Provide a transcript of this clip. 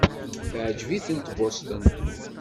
Teɛjeb-itent Boston.